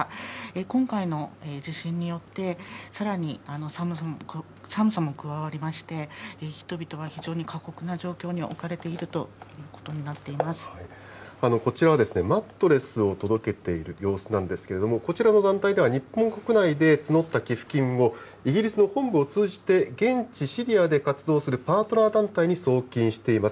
今回の地震によって、さらに寒さも加わりまして、人々は非常に過酷な状況に置かれているというここちらはマットレスを届けている様子なんですけれども、こちらの団体では日本国内で募った寄付金を、イギリスの本部を通じて、現地シリアで活動するパートナー団体に送金しています。